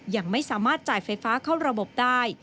ยังไม่สามารถจ่ายไฟฟ้าเข้าระบบได้